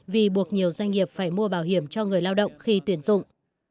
vì buộc nhiều doanh nghiệp phải mua bảo hiểm cho người lao động khi tuyển dụng